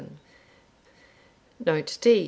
Note D.